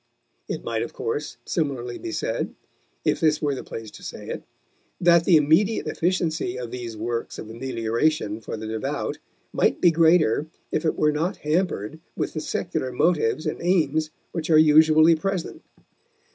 It might of course similarly be said, if this were the place to say it, that the immediate efficiency of these works of amelioration for the devout might be greater if it were not hampered with the secular motives and aims which are usually present.